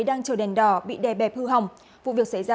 đang chờ đèn đỏ bị đè bẹp hư hỏng vụ việc xảy ra